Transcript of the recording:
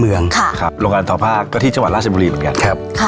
โรงงานทอภาษณ์ก็ที่ชาวันราชบุรีเหมือนกัน